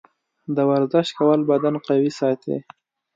د ورزش کول بدن قوي ساتي.